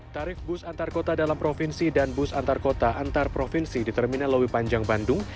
tarif bus antarkota dalam provinsi dan bus antarkota antarprovinsi di terminal lowi panjang bandung